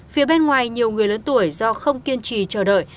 phía bên ngoài nhiều người lớn tuổi do không kiên trì chờ đợi